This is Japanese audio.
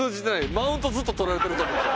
マウントずっととられてると思ってる。